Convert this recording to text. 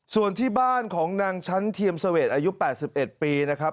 ส่วนที่บ้านของนางชั้นเทียมเสวดอายุ๘๑ปีนะครับ